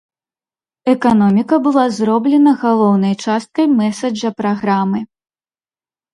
Эканоміка была зроблена галоўнай часткай мэсэджа праграмы.